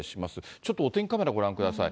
ちょっとお天気カメラご覧ください。